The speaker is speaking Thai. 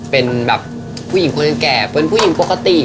เป็นแบบผู้หญิงคนแก่เป็นผู้หญิงปกติ